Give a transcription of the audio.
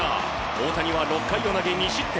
大谷は６回を投げ２失点。